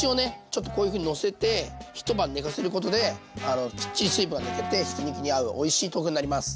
ちょっとこういうふうにのせて一晩寝かせることできっちり水分が抜けてひき肉に合うおいしい豆腐になります。